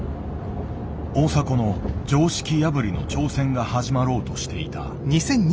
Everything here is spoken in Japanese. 大迫の常識破りの挑戦が始まろうとしていた。